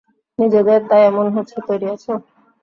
নিজেদের তাই এমন হচ্ছে তৈরী আছো?